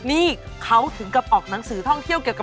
นี่เขาถึงกำออกหนังสือท่องเคี่ยวกับ